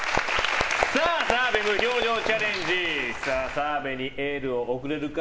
澤部にエールを送れるか？